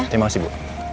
terima kasih bu